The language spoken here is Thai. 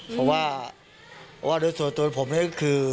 เพราะว่าโดยส่วนตัวผมนี่คือ